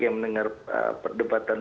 yang mendengar perdebatan